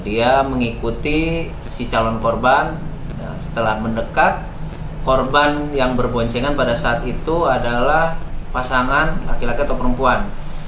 dia mengikuti si calon korban setelah mendekat korban yang berboncengan pada saat itu adalah pasangan laki laki atau perempuan